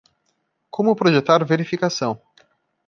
Como projetar verificação